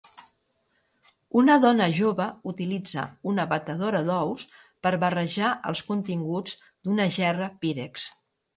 Una dona jove utilitza una batedora d'ous per barrejar els continguts d'una gerra Pyrex